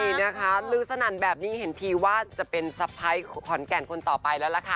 นี่นะคะลื้อสนั่นแบบนี้เห็นทีว่าจะเป็นสะพ้ายขอนแก่นคนต่อไปแล้วล่ะค่ะ